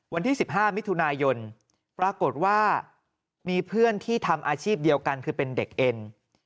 วันที่๑๕มิถุนายนปรากฏว่ามีเพื่อนที่ทำอาชีพเดียวกันคือเป็นเด็กเอ็น